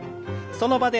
その場で。